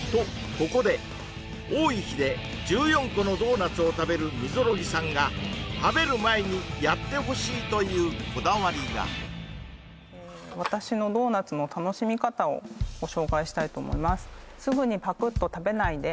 ここで多い日で１４個のドーナツを食べる溝呂木さんが食べる前にやってほしいというこだわりが私のドーナツの楽しみ方をご紹介したいと思います